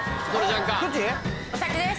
お先です。